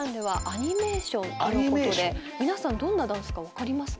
皆さんどんなダンスか分かりますか？